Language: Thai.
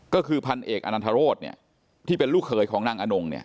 ก็คือพันธุ์เอกอาณัทฯโรศเนี่ยที่เป็นลูกเคยของนางอนงเนี่ย